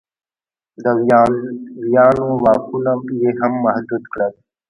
د ویاندویانو واکونه یې هم محدود کړل.